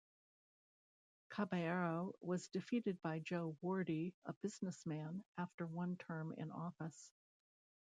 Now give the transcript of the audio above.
Caballero was defeated by Joe Wardy, a businessman, after one term in office.